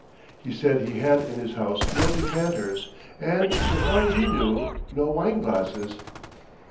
He said he had in his house no decanters, and, so far as he knew, no wineglasses.